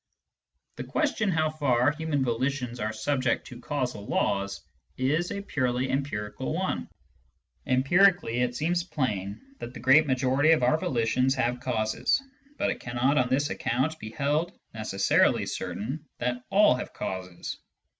The question how far human volitions are subject to causal laws is a purely empirical one. Empirically it seems plain that the great majority of our volitions have causes, but it cannot, on this account, be held necessarily certain that all have causes.